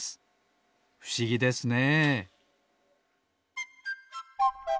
ふしぎですね。